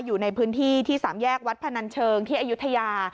อยู่ในพื้นที่ที่สามแยกวัดพนันเชิงที่อายุทยา